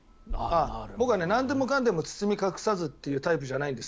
僕はなんでもかんでも包み隠さずというタイプじゃないんです。